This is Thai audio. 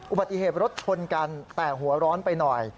อุบัติเหตุรถชนกันแต่หัวร้อนไปหน่อย